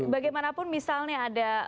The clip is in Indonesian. bagaimanapun misalnya ada